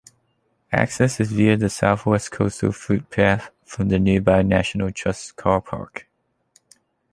Access is via the South-west coastal footpath from the nearby National Trust car park.